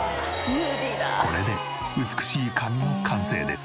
これで美しい髪の完成です。